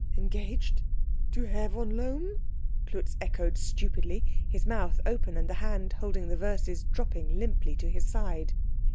"Engaged? To Herr von Lohm?" Klutz echoed stupidly, his mouth open and the hand holding the verses dropping limply to his side.